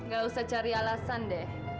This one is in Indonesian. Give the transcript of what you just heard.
gak usah cari alasan deh